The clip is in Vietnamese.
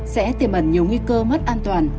sẽ tiềm ẩn nhiều nguy cơ mất an toàn